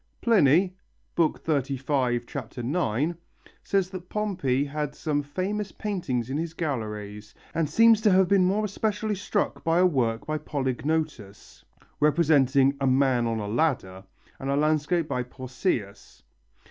Pliny (XXXV, 9), says that Pompey had some famous paintings in his galleries and seems to have been more especially struck by a work by Polygnotus, representing "a man on a ladder," and a landscape by Pausias.